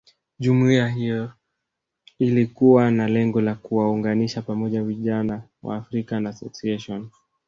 Jumuiya hiyo ilikuwa na lengo la kuwaunganisha pamoja vijana wa African Association